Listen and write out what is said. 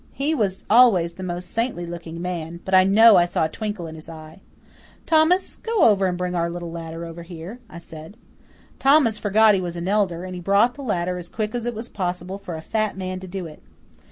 He was always the most saintly looking man, but I know I saw a twinkle in his eye. "Thomas, go over and bring our little ladder over here," I said. Thomas forgot he was an elder, and he brought the ladder as quick as it was possible for a fat man to do it.